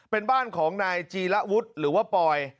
เป็นบ้านของนายจีระวุฒิหรือว่าปอย